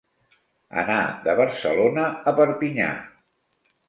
Anar de Barcelona a Perpinyà.